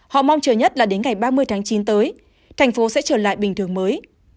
họ mong chờ nhất là đến ngày ba mươi tháng chín tới thành phố sẽ trở lại bình thường mới